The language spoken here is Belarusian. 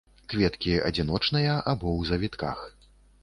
Кветкі адзіночныя або ў завітках.